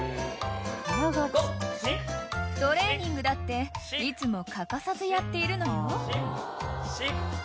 ［トレーニングだっていつも欠かさずやっているのよ］